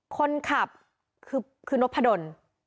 คนขับคือนบิน